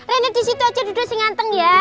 reyna di situ aja duduk singgah singgah ya